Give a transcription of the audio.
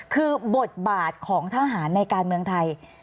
คือบทบาทของทหารในการเมืองไทย